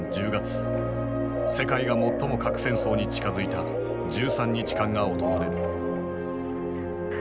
世界が最も核戦争に近づいた１３日間が訪れる。